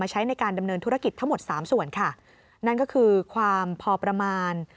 สามส่วนค่ะนั่นก็คือความพอประมาณ